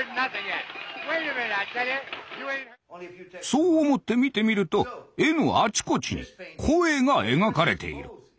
そう思って見てみると絵のあちこちに「声」が描かれている。